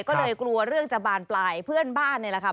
ก็เลยกลัวเรื่องจะบานปลายเพื่อนบ้านนี่แหละค่ะ